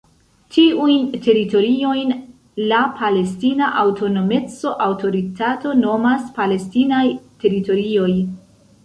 Tiujn teritoriojn la Palestina Aŭtonomec-Aŭtoritato nomas "palestinaj teritorioj".